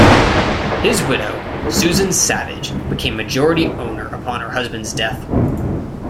His widow, Susan Savage, became majority owner upon her husband's death.